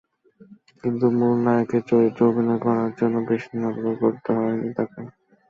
কিন্তু মূল নায়কের চরিত্রে অভিনয় করার জন্য বেশিদিন অপেক্ষা করতে হয়নি তাঁকে।